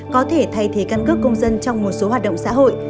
có thể thay thế căn cước công dân trong một số hoạt động xã hội